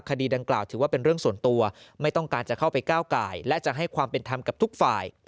คดีดังกล่าวถือว่าเป็นเรื่องส่วนตัวไม่ต้องการจะเข้าไปก้าวไก่และจะให้ความเป็นธรรมกับทุกฝ่าย